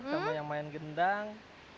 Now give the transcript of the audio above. sama yang main gendang